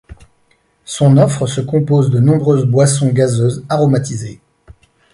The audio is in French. Son offre se compose de nombreuses boissons gazeuses aromatisées.